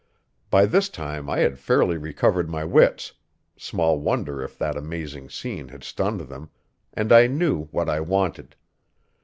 By this time I had fairly recovered my wits small wonder if that amazing scene had stunned them and I knew what I wanted.